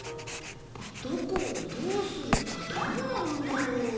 どこをどうするとどうなるんだろう？